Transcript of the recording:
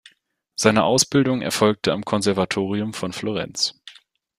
Seine Ausbildung erfolgte am Konservatorium von Florenz.